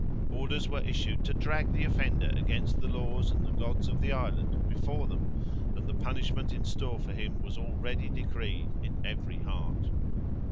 Orders were issued to drag the offender against the laws and the gods of the Island before them, and the punishment in store for him was already decreed in every heart.